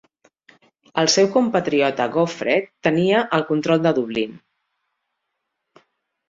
El seu compatriota Gofraid tenia el control de Dublín.